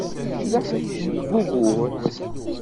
Kečč d aḥric seg wugur.